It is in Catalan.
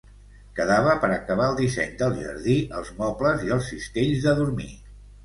Quedava per acabar el disseny del jardí, els mobles i els cistells de dormir.